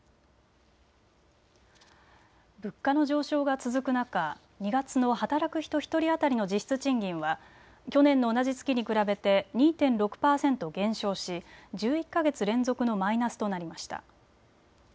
物価の上昇が続く中、２月の働く人１人当たりの実質賃金は去年の同じ月に比べて２．６％減少し１１か月連続のマイナスとなりました。